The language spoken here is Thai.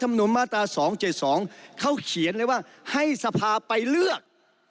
แต่รัฐมนุมมาตรา๒๗๒เขาเขียนเลยว่าให้สภาพุทธนักศรรณไปเลือก